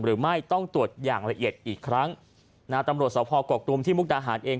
หรือไม่ต้องตรวจอย่างละเอียดอีกครั้งนะฮะตำรวจสภกกตุมที่มุกดาหารเอง